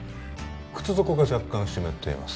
靴底が若干湿っています